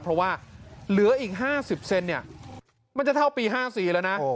เพราะว่าเหลืออีก๕๐เซนเนี่ยมันจะเท่าปี๕๔แล้วนะ